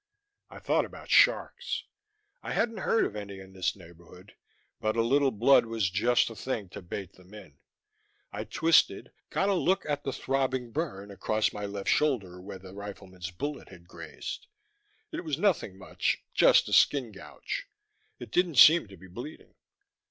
I thought about sharks. I hadn't heard of any in this neighborhood, but a little blood was just the thing to bait them in. I twisted, got a look at the throbbing burn across my left shoulder where the rifleman's bullet had grazed; it was nothing much, just a skin gouge. It didn't seem to be bleeding.